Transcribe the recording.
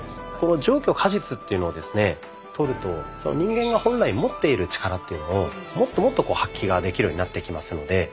この上虚下実というのをですねとると人間が本来持っている力というのをもっともっと発揮ができるようになってきますので。